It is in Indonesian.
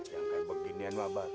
jangan beginian wabar